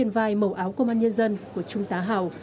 trên vai màu áo công an nhân dân của trung tà hào